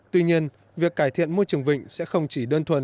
tuy nhiên việc cải thiện môi trường vịnh sẽ không chỉ đơn thuần